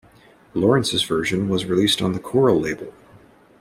Lawrence's version was released on the Coral label.